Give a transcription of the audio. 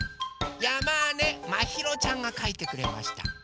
やまねまひろちゃんがかいてくれました。